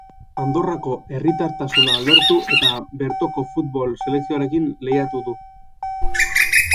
Andorrako herritartasuna lortu eta bertoko futbol selekzioarekin lehiatu du.